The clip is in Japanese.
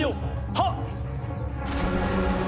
はっ！